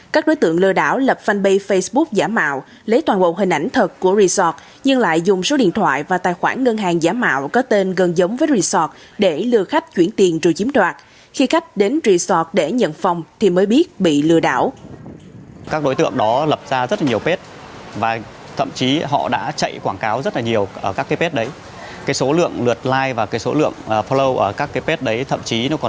các fanpage facebook rất dễ bị giả mạo